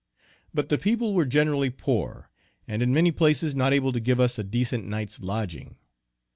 But the people were generally poor, and in many places not able to give us a decent night's lodging.